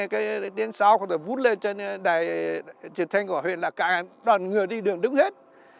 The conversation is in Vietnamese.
cái tiếng sáo của tôi vút lên trên đài truyền thanh của huyện là cả đoàn người đi đường đứng hết